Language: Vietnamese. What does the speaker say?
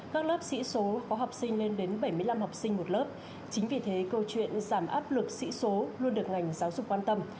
các lớp sĩ số có học sinh lên đến bảy mươi năm học sinh một lớp chính vì thế câu chuyện giảm áp lực sĩ số luôn được ngành giáo dục quan tâm